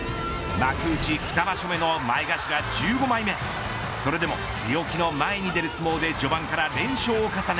前頭１５枚目それでも強気の前に出る相撲で序盤から連勝を重ね